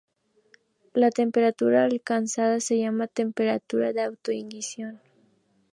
La temperatura alcanzada se llama temperatura de autoignición.